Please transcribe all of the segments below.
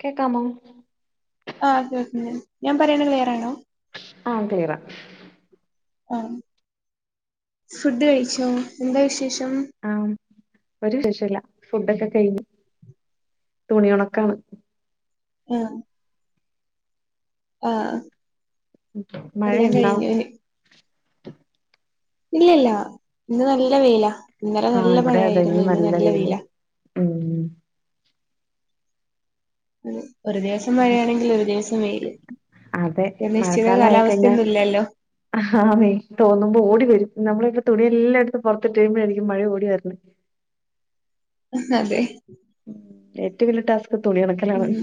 കേക്കാമോ ആഹ് കേൾക്ന്ന് ഞാൻ പറയണെ ക്ലിയറാണോ ആഹ് ക്ലിയറ ആഹ് ഫുഡ് കഴിച്ചോ എന്താ വിശേഷം ആഹ് ഒരു വിശേഷല്ല ഫുഡൊക്ക കയിഞ്ഞ് തുണി ഒണക്കാണ് ആഹ് ആഹ് ഉം എല്ലാം മഴയ്ണ്ടോ കഴിഞ്ഞു ഇനി- ഇല്ലല്ല ഇന്ന് നല്ല വെയില ഇന്നലെ ആഹ് നല്ല ഇവിടെ അതെ മഴയായിരുന്നു ഇന്ന് നല്ല വെയില് വെയില ഉം അതെ ഒര് ദിവസം ഇന്ന് മഴയാണെങ്കില് ഒര് ദിവസം വെയില് അതെ എ നിശ്ചിത കാലാവസ്ഥയൊന്നും ഇല്ലല്ലോ ആഹാ ന്നെ തോന്നുമ്പോ ഓടി വരും നമ്മള് ഇവ്ടെ തുണിയെല്ലായെടുത്ത് പൊറത്ത്ട്ട് കയുമ്പഴായിരിക്കും മഴ ഓടി വരണ ഹ് അതെ ഏറ്റ വല്യ ടാസ്ക് തുണി ഒണക്കലാണ് ഉം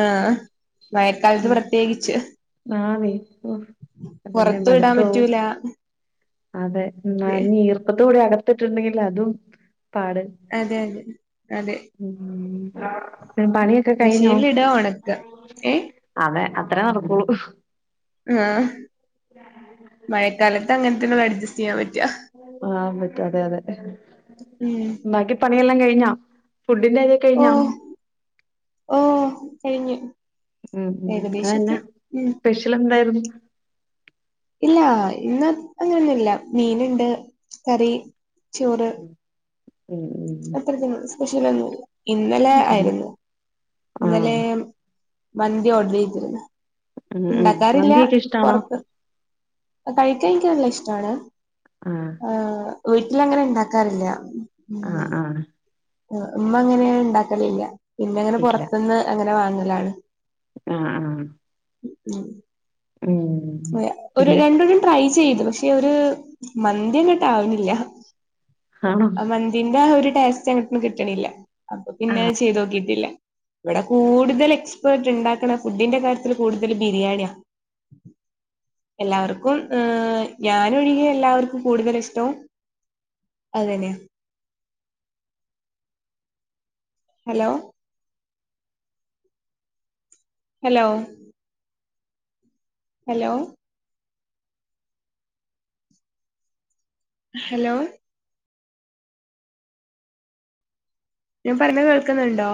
ആഹ് മയക്കാലത്ത് പ്രത്യേകിച്ച് ആഹ് ന്നെ ഇപ്പൊ പിന്നെ പുറത്തും ഇടാൻ മടുത്തോ പറ്റൂല അതെ അതെ നനഞ്ഞ് ഈർപ്പത്തോടെ അകത്ത്ട്ടുണ്ടെങ്കില് അതും പാട് അതെ അതെ അതെ ഉം പിൻ പണിയൊക്ക കയിഞ്ഞോ മെഷീനിൽ ഇടാ ഉണക്ക ഏഹ് അതെ അത്രെ നടക്കുള്ളൂ ആഹ് മയക്കാലത്ത് അങ്ങനത്തന്നൊള്ള് അഡ്ജസ്റ്റ് ചെയ്യാം പറ്റാ ആഹ് പറ്റ അതെ അതെ ഉം ബാക്കി പണിയെല്ലാം കയിഞ്ഞോ ഫുഡിന്റെക്കയ്ഞ്ഞോ ഓഹ് കയിഞ്ഞു ഉം ഉം അതന്ന? സ്പെഷ്യൽ എന്തായിരുന്നു? ഇല്ല ഇന്ന് അങ്ങനെയൊന്നുൽയ മീനുണ്ട് കറി ചോറ് ഉം ഉം അത്രക്ക സ്പെഷ്യലന്ന് ഇൽയ ഇന്നലെ ഇല്ല ആയിരുന്നു ഇന്നലെ ആഹ് മന്തി ഓർഡർ ചെയ്തിരുന്നു. ഉം ഉം ഇണ്ടാക്കാറില്ല മന്തിയൊക്കെ ഇഷ്ടാണോ പൊറത്ത് അത് കഴിക്കാൻ നിക് നല്ല ഇഷ്ടാണ് ആഹ് ആഹ് വീട്ടിൽ അങ്ങനെ ഇണ്ടാക്കാറില്ല. ആഹ് ആഹ് അഹ് ആഹ് ഉമ്മ അങ്ങനെ ഉണ്ടാക്കല്ല്ല ന്നെ അങ്ങനെ ഇല്ല പൊറത്ത്ന്ന് അങ്ങനെ വാങ്ങലാണ്. ആഹ് ആഹ് ഉം. ഉം. ഒരു പിന്നെ രണ്ടൊരും ട്രൈ ചെയ്ത് പക്ഷെ ഒരു മന്തി എന്നിട്ട് ആവുന്നില്ല. ആണോ മന്തിന്റെ ഒരു ടേസ്റ്റ് അങ്ങോട്ട് കിട്ടണില്ല അപ്പൊ പിന്നെ ചെയ്ത് നോക്കിട്ടില്ല. ഇവിടെ കൂടുതൽ എക്സ്പേർട്ട് ഉണ്ടാക്കണ ഫുഡിന്റെ കാര്യത്തിൽ കൂടുതൽ ബിരിയാണിയ എല്ലാവർക്കും ഞാന ഒഴികെ എല്ലാവർക്കും കൂടുതൽ ഇഷ്ടവും അതനെയാ? ഹലോ ഹലോ ഹലോ ഹലോ ഞാൻ പറഞ്ഞ കേൾക്കുന്നുണ്ടോ